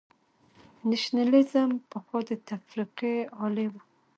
نېشنلېزم پخوا د تفرقې الې وه.